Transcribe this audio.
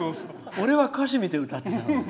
俺は歌詞見て歌ってたのに。